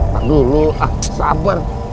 taduh lu sabar